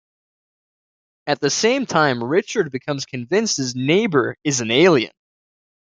At the same time, Richard becomes convinced his neighbour is an alien.